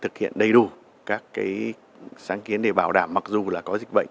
thực hiện đầy đủ các sáng kiến để bảo đảm mặc dù là có dịch bệnh